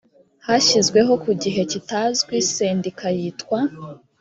hashyizweho ku gihe kitazwi sendika yitwa